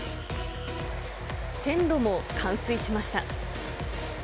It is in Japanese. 線路も冠水しました。